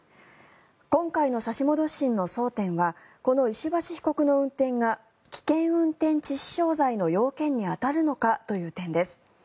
今回の差し戻し審の争点はこの石橋被告の運転が危険運転致死傷罪の要件に当たるのかという点です。